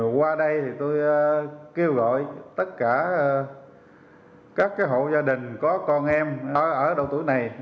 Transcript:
qua đây tôi kêu gọi tất cả các hộ gia đình có con em ở độ tuổi này